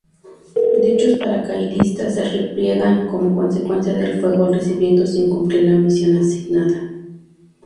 Dichos paracaidistas se repliegan como consecuencia del fuego recibido sin cumplir la misión asignada.